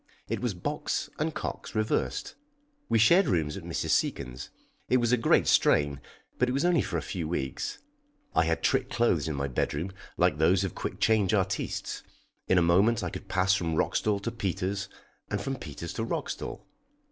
It was Box and Cox reversed. We shared rooms at Mrs. Seacon's. It was a great strain, but it was only for a few weeks. I had trick clothes in my bedroom like those of quick change artistes; in a moment I could pass from Roxdal to Peters and from Peters to Roxdal.